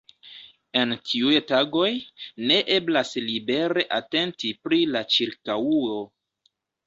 En tiuj tagoj, ne eblas libere atenti pri la ĉirkaŭo.